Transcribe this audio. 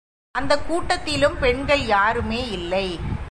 அந்தக் கூட்டத்திலும் பெண்கள் யாருமே இல்லை.